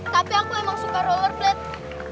tapi aku emang suka rollerblade